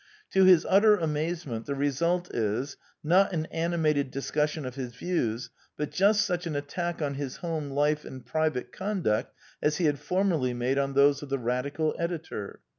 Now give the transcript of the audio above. To his utter amaze ment, the result is, not an animated discussion of his views, but just such an attack on his home life and private conduct as he had formerly made on those of the Radical editor.